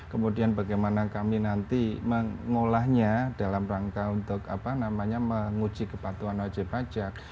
kemudian bagaimana kami nanti mengolahnya dalam rangka untuk menguji kepatuhan wajib pajak